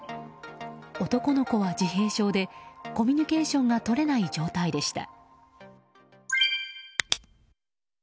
男の子は自閉症でコミュニケーションが取れない状態でした。